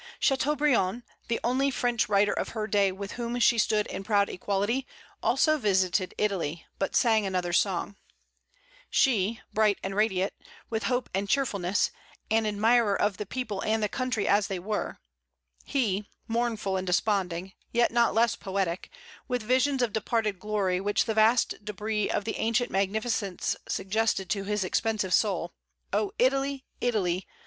Châteaubriand, the only French writer of her day with whom she stood in proud equality, also visited Italy, but sang another song; she, bright and radiant, with hope and cheerfulness, an admirer of the people and the country as they were; he, mournful and desponding, yet not less poetic, with visions of departed glory which the vast debris of the ancient magnificence suggested to his pensive soul, O Italy, Italy!